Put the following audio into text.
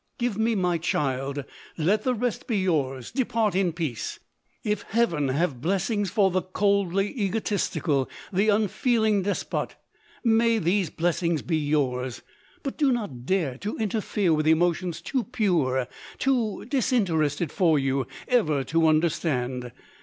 " Give me my child — let the rest be yours — depart in peace ! If Heaven have blessings for the coldly egotistical, the unfeeling de pot, may these blessings be yours ; but do not dare to in terfere with emotions too pure, too disinterested for you ever to understand.